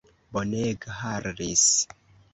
Bonega Harris!